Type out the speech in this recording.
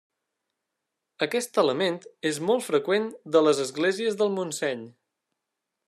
Aquest element és molt freqüent de les esglésies del Montseny.